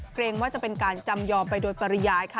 เกรงว่าจะเป็นการจำยอมไปโดยปริยายค่ะ